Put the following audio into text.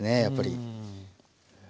やっぱり。